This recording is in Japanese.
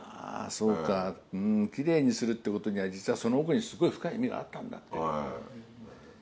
そうかキレイにするってことには実はその奥にすごい深い意味があったんだって。